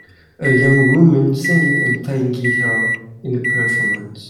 A young woman singing and playing guitar in a performance.